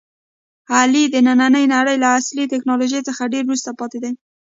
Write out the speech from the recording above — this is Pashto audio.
علي د نننۍ نړۍ له عصري ټکنالوژۍ څخه ډېر وروسته پاتې دی.